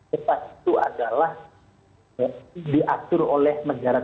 kepas itu adalah